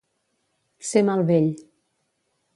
Ser mal vell.